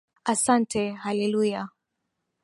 Ahsante hallelujah